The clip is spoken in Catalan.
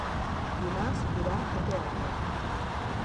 Dimarts irà al teatre.